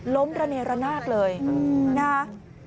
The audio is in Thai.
ล้มระเนรนาคเลยอืมน่า